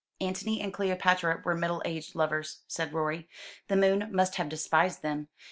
"Antony and Cleopatra were middle aged lovers," said Rorie. "The moon must have despised them.